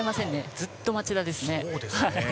ずっと町田ですね。